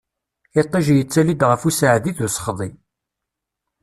Iṭij yettali-d ɣef useɛdi d usexḍi.